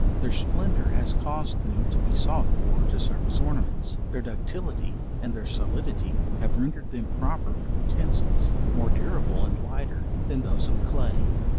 Their splendor has caused them to be sought for, to serve as ornaments; their ductility and their solidity have rendered them proper for utensils, more durable and lighter than those of clay.